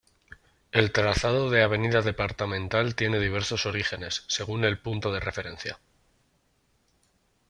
El trazado de avenida Departamental tiene diversos orígenes, según el punto de referencia.